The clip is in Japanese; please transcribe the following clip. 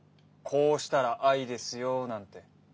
「こうしたら愛ですよ」なんて